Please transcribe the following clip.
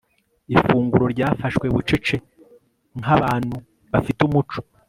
ifunguro ryafashwe bucece nkabanu bafite umuco